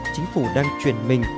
chính phủ đang chuyển mình